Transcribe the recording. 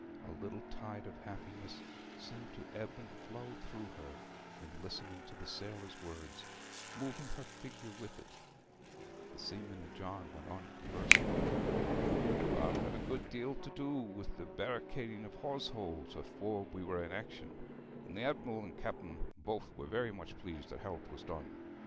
A little tide of happiness seemed to ebb and flow through her in listening to the sailor's words, moving her figure with it. The seaman and John went on conversing. 'Bob had a good deal to do with barricading the hawse holes afore we were in action, and the Adm'l and Cap'n both were very much pleased at how 'twas done.